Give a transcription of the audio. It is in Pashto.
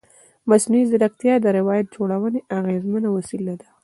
مصنوعي ځیرکتیا د روایت جوړونې اغېزمنه وسیله ده.